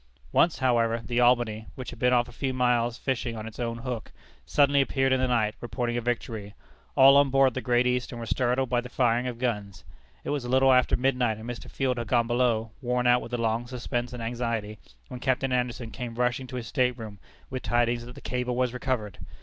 Once, however, the Albany, which had been off a few miles fishing on its own hook, suddenly appeared in the night, reporting a victory. All on board the Great Eastern were startled by the firing of guns. It was a little after midnight, and Mr. Field had gone below, worn out with the long suspense and anxiety, when Captain Anderson came rushing to his stateroom with tidings that the cable was recovered!